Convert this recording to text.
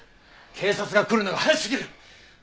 警察が来るのが早すぎる！